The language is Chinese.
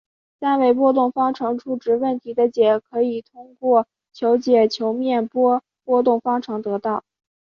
三维波动方程初值问题的解可以通过求解球面波波动方程得到。